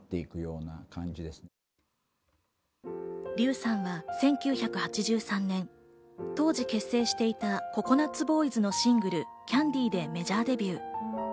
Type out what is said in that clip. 笠さんは１９８３年、当時結成していたＣｏｃｏｎｕｔＢｏｙｓのシングル『Ｃａｎｄｙ』でメジャーデビュー。